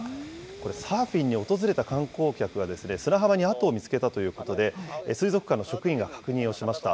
これ、サーフィンに訪れた観光客が砂浜に跡を見つけたということで、水族館の職員が確認をしました。